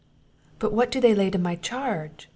"But what do they lay to my charge?"